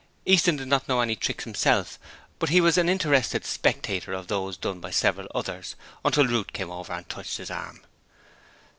Easton did not know any tricks himself, but he was an interested spectator of those done by several others until Ruth came over and touched his arm.